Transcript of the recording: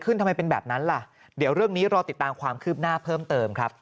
ทำไมเป็นแบบนั้นล่ะเดี๋ยวเรื่องนี้รอติดตามความคืบหน้าเพิ่มเติมครับ